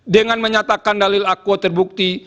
dengan menyatakan dalil akuo terbukti